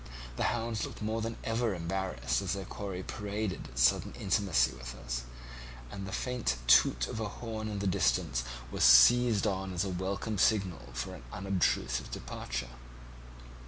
The hounds looked more than ever embarrassed as their quarry paraded its sudden intimacy with us, and the faint toot of a horn in the distance was seized on as a welcome signal for unobtrusive departure.